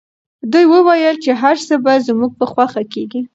دوی وویل چي هر څه به زموږ په خوښه کیږي.